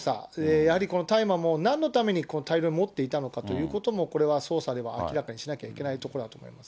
やはりこの大麻も、なんのために大量に持っていたのかということも、これは捜査では明らかにしなきゃいけないところだと思いますね。